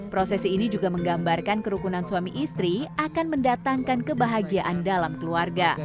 prosesi ini juga menggambarkan kerukunan suami istri akan mendatangkan kebahagiaan dalam keluarga